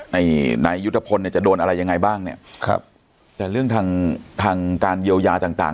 ไหนยุธพลจะโดนอะไรยังไงบ้างแต่เรื่องทางการเยียวยาต่าง